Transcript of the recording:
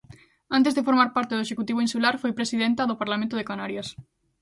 Antes de formar parte do executivo insular, foi presidenta do Parlamento de Canarias.